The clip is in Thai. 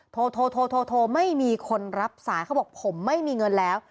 โทรโทรไม่มีคนรับสายเขาบอกผมไม่มีเงินแล้ว